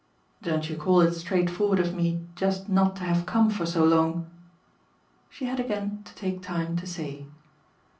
"Don't you call it straightforward of me just not to have come for so long?" She had again to take time to say.